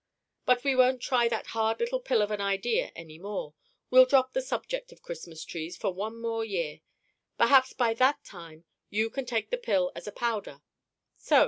But we won't try that hard little pill of an idea any more. We'll drop the subject of Christmas Trees for one more year. Perhaps by that time you can take the pill as a powder! So!